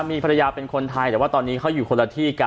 มีภรรยาเป็นคนไทยแต่ว่าตอนนี้เขาอยู่คนละที่กัน